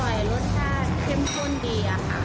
อร่อยรสชาติเข้มข้นดีค่ะ